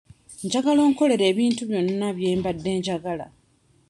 Njagala onkolere ebintu byonna bye mbadde njagala.